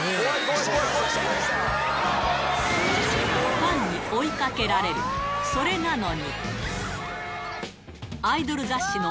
ファンに追いかけられる、それなのに。